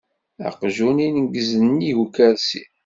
Aqjun ineggez-nnig ukersi.